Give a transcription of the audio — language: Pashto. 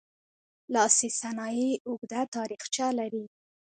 لاسي صنایع اوږده تاریخچه لري.